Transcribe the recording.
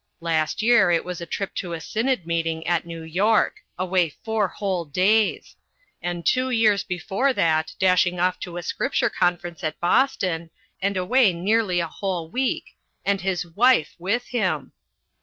Last year it was a trip to a Synod Meeting at New York away four whole days; and two years before that, dashing off to a Scripture Conference at Boston, and away nearly a whole week, and his wife with him!